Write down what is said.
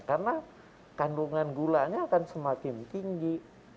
karena kandungan gulanya akan semakin tinggi